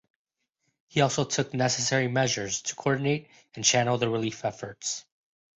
He also took necessary measures to coordinate and channel the relief efforts.